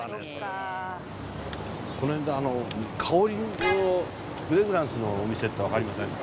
この辺で香りのフレグランスのお店ってわかりませんか？